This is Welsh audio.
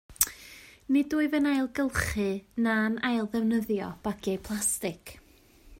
Nid wyf yn ailgylchu na'n ailddefnyddio bagiau plastig